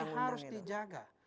ini harus dijaga